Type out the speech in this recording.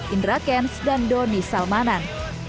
indra kents dan doni salmanan